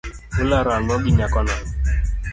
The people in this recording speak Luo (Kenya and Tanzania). Ularo ang'o gi nyakono?